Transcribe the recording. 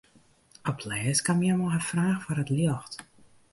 Op 't lêst kaam hja mei har fraach foar it ljocht.